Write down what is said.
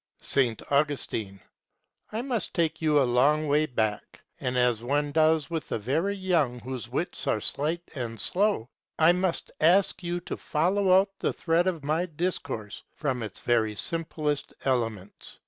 S. Augustine. I must take you a long way back, and as one does with the very young whose wits are slight and slow, I must ask you to follow out the thread of my discourse from its very simplest elements.